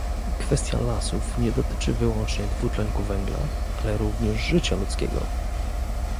Kwestia lasów nie dotyczy wyłącznie dwutlenku węgla, ale również życia ludzkiego